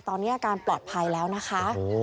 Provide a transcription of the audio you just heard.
ตอนนี้อาการปลอดภัยแล้วนะคะ